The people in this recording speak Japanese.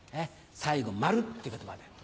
最後「まる」って言葉で。